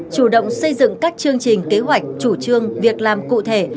chủ động xây dựng các chương trình kế hoạch chủ trương việc làm cụ thể